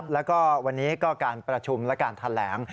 แล้วก็วันนี้ก็การประชุมและการแถลง